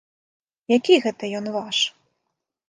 Які гэта ён ваш?